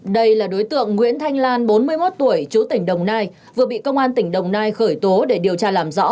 đây là đối tượng nguyễn thanh lan bốn mươi một tuổi chú tỉnh đồng nai vừa bị công an tỉnh đồng nai khởi tố để điều tra làm rõ